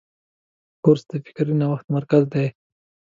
کورس د فکري نوښت مرکز دی.